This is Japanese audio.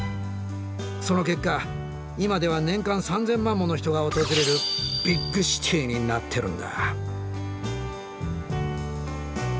その結果今では年間３０００万もの人が訪れるビッグシティーになってるんだ。